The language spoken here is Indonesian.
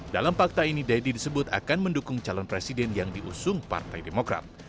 dalam fakta ini deddy disebut akan mendukung calon presiden yang diusung partai demokrat